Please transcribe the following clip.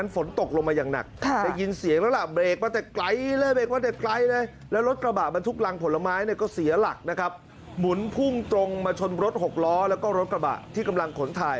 ชะทานีแล้วก็รถกระบะอีซูซูสีเงินทะเบียนบล